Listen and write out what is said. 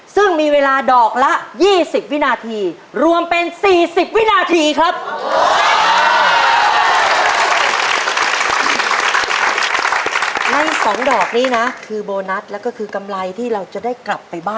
ซึ่งมีเวลาดอกละ๒๐วินาทีรวมเป็น๔๐วินาทีครับ